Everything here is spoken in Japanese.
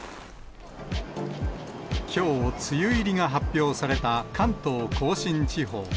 きょう、梅雨入りが発表された関東甲信地方。